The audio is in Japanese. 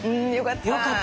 良かった。